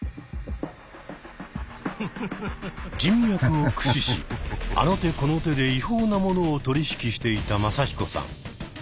人脈を駆使しあの手この手で違法なものを取り引きしていたマサヒコさん。